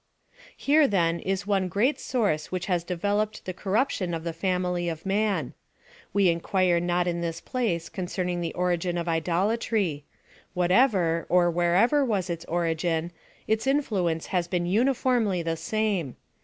Here, then, is one great source which has devel oped the corruption of the family of man. We inquire not in this place concerning the origin of idolatry : whatever, or wherever was its origin, its influence has been uniformly the same.